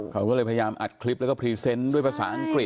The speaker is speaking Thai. เขาก็เลยพยายามอัดคลิปแล้วก็พรีเซนต์ด้วยภาษาอังกฤษ